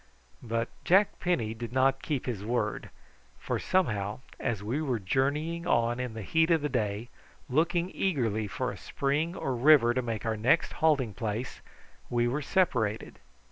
But Jack Penny did not keep his word, for somehow as we were journeying on in the heat of the day looking eagerly for a spring or river to make our next halting place we were separated.